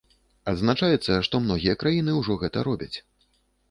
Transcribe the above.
Адзначаецца, што многія краіны ўжо гэта робяць.